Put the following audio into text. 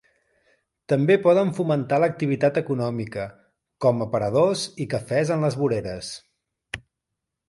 També poden fomentar l'activitat econòmica, com aparadors i cafès en les voreres.